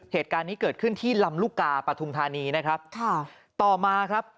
เหตุการณ์นี้เกิดขึ้นที่ลำลูกกาปฐุมธานีนะครับค่ะต่อมาครับ